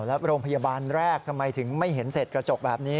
แล้วโรงพยาบาลแรกทำไมถึงไม่เห็นเสร็จกระจกแบบนี้